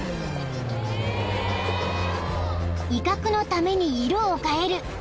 ［威嚇のために色を変える］